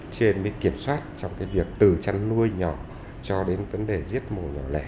trên cái kiểm soát trong cái việc từ chăn nuôi nhỏ cho đến vấn đề giết mổ nhỏ lẻ